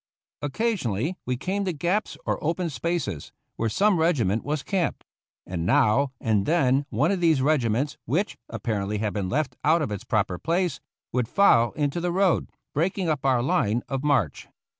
Occasionally we came to gaps or open spaces, where some regiment was camped, and now and then one of these regiments, which apparently had been left out of its proper place, would file into the road, breaking up our line of march.